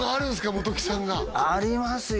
本木さんがありますよ